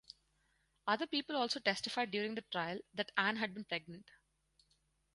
Other people also testified during the trial that Ann had been pregnant.